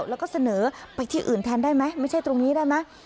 แล้วก็เสนอไปที่อื่นแทนได้ไหมไม่ใช่ตรงนี้ได้ไหม